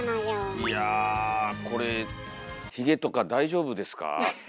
いやこれヒゲとか大丈夫ですか？